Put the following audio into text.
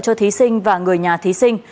cho thí sinh và người nhà thí sinh